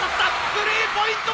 スリーポイントだ！